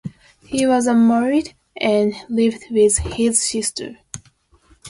He was unmarried and lived with his sister.